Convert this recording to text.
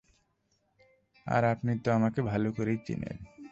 আর আপনি তো আমাকে ভালো করেই চেনেন।